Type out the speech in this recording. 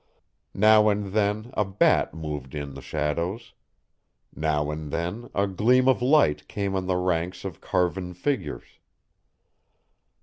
Now and then a bat moved in the shadows now and then a gleam of light came on the ranks of carven figures.